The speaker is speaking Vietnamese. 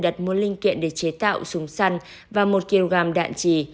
đặt một linh kiện để chế tạo súng săn và một kg đạn trì